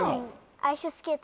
アイススケート。